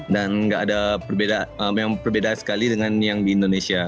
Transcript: dan tidak ada perbedaan memang perbedaan sekali dengan yang di indonesia